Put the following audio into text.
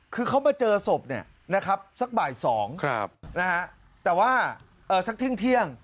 คือเขามาเจอศพสักบ่ายสองสักถึงเที่ยง